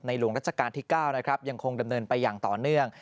หลวงรัชกาลที่๙นะครับยังคงดำเนินไปอย่างต่อเนื่อง